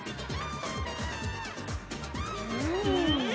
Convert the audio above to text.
うん！